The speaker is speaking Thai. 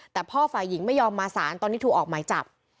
แต่พ่อฝ่ายหญิงไม่ยอมมาสารตอนนี้ถูกออกหมายจับ